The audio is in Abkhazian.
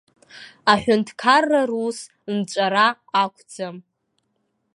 Аҳәынҭқараа рус нҵәара ақәӡам.